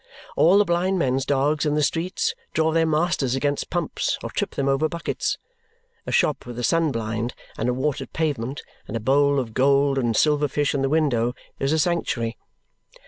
All the blind men's dogs in the streets draw their masters against pumps or trip them over buckets. A shop with a sun blind, and a watered pavement, and a bowl of gold and silver fish in the window, is a sanctuary.